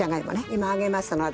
今揚げますので。